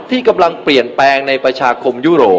ที่กำลังเปลี่ยนแปลงในประชาคมยุโรป